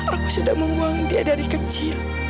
aku sudah membuang dia dari kecil